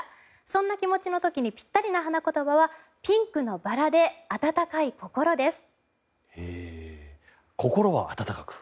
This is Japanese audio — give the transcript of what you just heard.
そんな気持ちの時にぴったりの花言葉はピンクのバラで温かい心です。